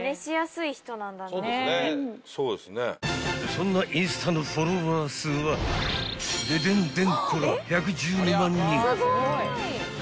［そんなインスタのフォロワー数はででんでんこら］